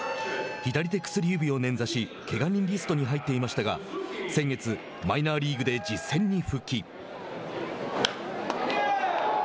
左手薬指を捻挫しけが人リストに入っていましたが先月、マイナーリーグで実戦に復帰。